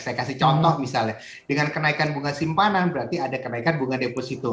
saya kasih contoh misalnya dengan kenaikan bunga simpanan berarti ada kenaikan bunga deposito